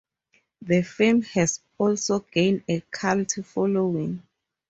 The film has also gained a cult following.